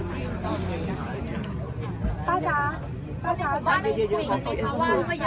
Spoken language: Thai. ป้าจ๋าป้าจ๋าบ้านก็เยอะมากไม่เยอะมากเพราะมันเดือด